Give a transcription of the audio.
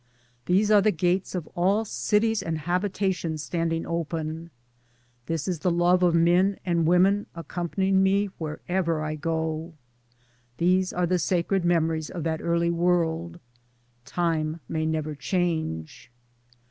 These are the gates of all cities and habitations standing open ; this is the love of men and women accompanying me wherever I go ; these are the sacred memories of that early world, time may never change.